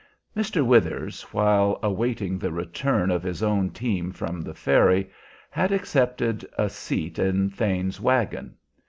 Mr. Withers, while awaiting the return of his own team from the ferry, had accepted a seat in Thane's wagon.